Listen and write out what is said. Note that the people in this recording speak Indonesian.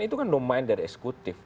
itu kan domain dari eksekutif